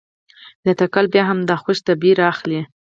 له تکل بیا همدا خوش طبعي رااخلي.